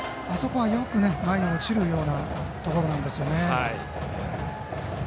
あそこはよく前に落ちるようなところなんですね。